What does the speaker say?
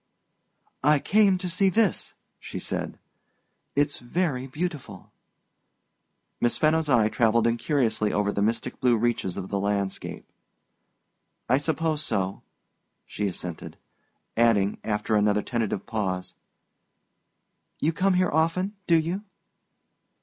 "I came to see this," she said. "It's very beautiful." Miss Fenno's eye travelled incuriously over the mystic blue reaches of the landscape. "I suppose so," she assented; adding, after another tentative pause, "You come here often, don't you?"